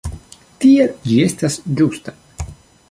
Tiel ĝi estas ĝusta.